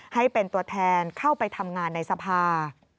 ให้เป็นตัวแทนเข้าไปทำงานในสภา